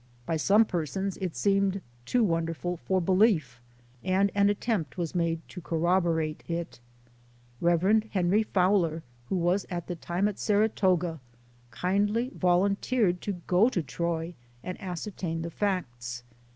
By some persons it seemed too wonderful for belief, and an attempt was made to corroborate it. Rev. Henry Fowler, who was at the time at Saratoga, kindly volunteered to go to Troy and ascertain the facts.